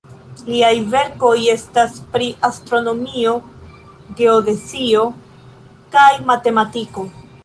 Liaj verkoj estas pri astronomio, geodezio kaj matematiko.